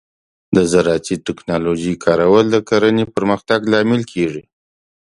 د زراعتي ټیکنالوجۍ کارول د کرنې پرمختګ لامل کیږي.